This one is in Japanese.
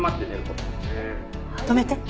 止めて。